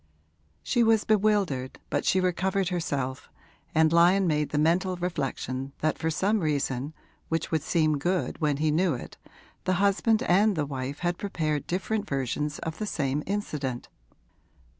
She was bewildered, but she recovered herself, and Lyon made the mental reflection that for some reason which would seem good when he knew it the husband and the wife had prepared different versions of the same incident.